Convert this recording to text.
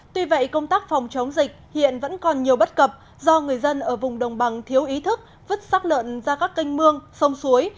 tuy vậy công tác phòng chống dịch hiện vẫn còn nhiều bất cập do người dân ở vùng đồng bằng thiếu ý thức vứt sắc lợn ra các kênh mương sông suối